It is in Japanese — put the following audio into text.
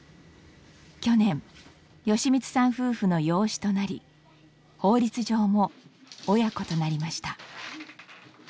去年美光さん夫婦の養子となり法律上も親子となりました。